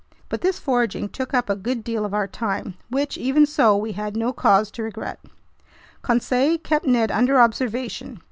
But this foraging took up a good deal of our time, which, even so, we had no cause to regret. Conseil kept Ned under observation.